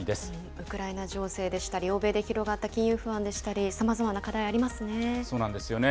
ウクライナ情勢でしたり、欧米で広がった金融不安でしたり、そうなんですよね。